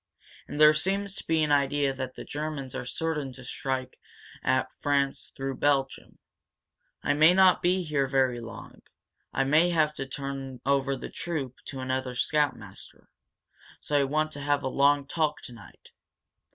And there seems to be an idea that the Germans are certain to strike at France through Belgium. I may not be here very long I may have to turn over the troop to another scoutmaster. So I want to have a long talk tonight."